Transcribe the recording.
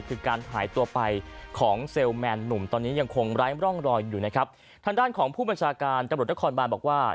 คือการหายตัวไปของเซลล์แมนหนุ่มตอนนี้ยังคงไร้ร่องรอยอยู่นะครับทางด้านของผู้บัญชาการตำรวจนครบานบอกว่า